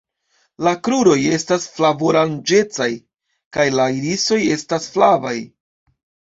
La kruroj estas flavoranĝecaj kaj la irisoj estas flavaj.